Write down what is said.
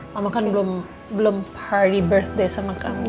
mama kan belum party birthday sama kami